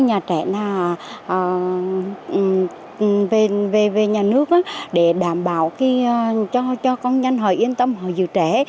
nhà trẻ về nhà nước để đảm bảo cho công nhân họ yên tâm họ giữ trẻ